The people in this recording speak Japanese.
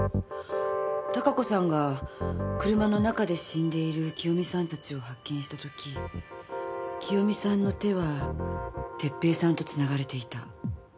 多香子さんが車の中で死んでいる清美さんたちを発見した時清美さんの手は哲平さんと繋がれていた。